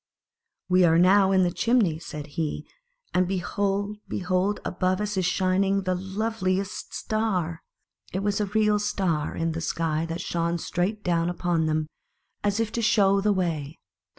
"We are now in the chimney," said he; "and behold, behold, above us is shining the loveliest star !" It was a real star in the sky that shone straight down upon them, as if to show the way.